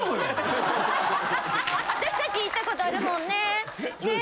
私達行ったことあるもんね。ねぇ？